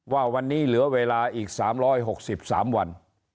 ว่าวันนี้เหลือเวลาอีก๓๖๓วัน